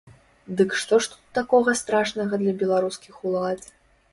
Дык што ж тут такога страшнага для беларускіх улад?